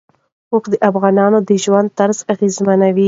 اوښ د افغانانو د ژوند طرز اغېزمنوي.